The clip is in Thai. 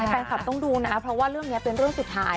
แฟนคลับต้องดูนะเพราะว่าเรื่องนี้เป็นเรื่องสุดท้าย